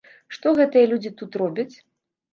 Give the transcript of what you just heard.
Што гэтыя людзі тут робяць?